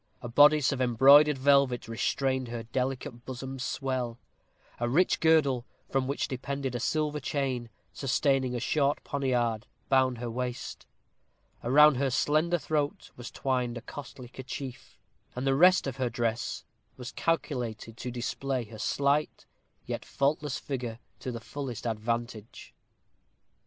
A bodice of embroidered velvet restrained her delicate bosom's swell; a rich girdle, from which depended a silver chain, sustaining a short poniard, bound her waist; around her slender throat was twined a costly kerchief; and the rest of her dress was calculated to display her slight, yet faultless, figure to the fullest advantage.